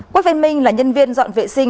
quách văn minh là nhân viên dọn vệ sinh